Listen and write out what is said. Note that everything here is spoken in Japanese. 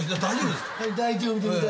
大丈夫ですか？